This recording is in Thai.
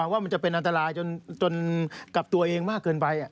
ว่ามันจะเป็นอันตรายจนกับตัวเองมากเกินไป